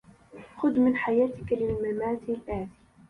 خذ من حياتك للممات الآتي